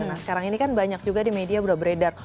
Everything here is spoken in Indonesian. nah sekarang ini kan banyak juga di media berbeda